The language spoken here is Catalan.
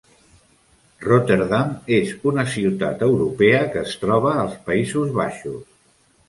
Rotterdam és una ciutat europea que es troba als Països Baixos.